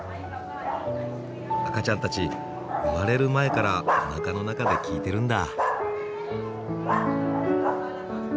赤ちゃんたち生まれる前からおなかの中で聴いてるんだ。